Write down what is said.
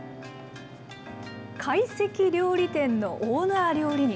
懐石料理店のオーナー料理人。